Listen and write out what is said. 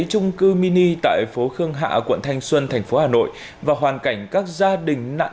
trung cư mini tại phố khương hạ quận thanh xuân thành phố hà nội và hoàn cảnh các gia đình nạn